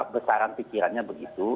besaran pikirannya begitu